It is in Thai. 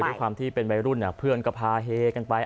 ด้วยความที่เป็นวัยรุ่นเพื่อนก็พาเฮกันไป